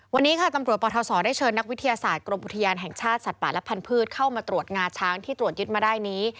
วันนี้ค่ะตำรวจปทศได้เชิญนักวิทยาศาสตร์กรมอุทยานแห่งชาติสัตว์ป่าและพันธุ์เข้ามาตรวจงาช้างที่ตรวจยึดมาได้นี้